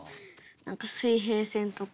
何か「水平線」とか。